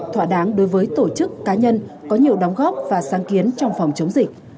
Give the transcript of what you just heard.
thỏa đáng đối với tổ chức cá nhân có nhiều đóng góp và sáng kiến trong phòng chống dịch